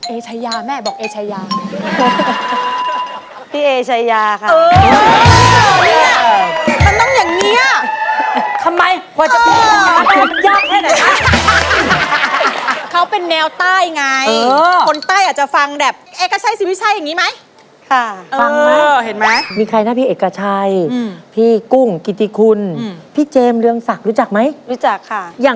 เอเชยาแม่บอกเอเชยา